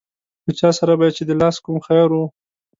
له چا سره به چې د لاس کوم خیر و.